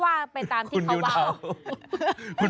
ว่าไปตามที่เขาว่า